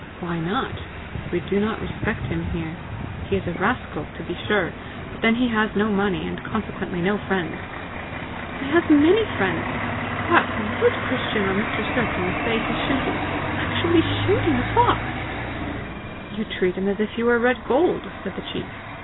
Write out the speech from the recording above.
"Why not? We do not respect him here. He is a rascal, to be sure, but then he has no money, and consequently no friends!" "He has many friends! What WOULD Christian or Mr. Sercombe say to shooting, actually shooting a fox!" "You treat him as if he were red gold!" said the chief.